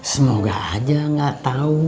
semoga aja gak tau